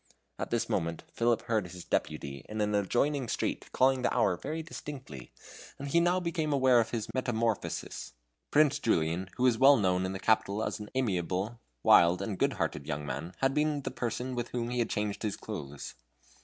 At this moment Philip heard his deputy in an adjoining street calling the hour very distinctly, and he now became aware of his metamorphosis. Prince Julian, who was well known in the capital as an amiable, wild, and good hearted young man, had been the person with whom he had changed his clothes.